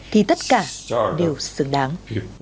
thì tất cả đều xứng đáng